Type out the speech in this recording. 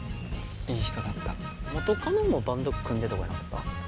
いい人だった元カノもバンド組んでた子やなかった？